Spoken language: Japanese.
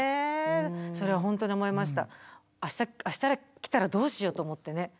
それは本当に思いました。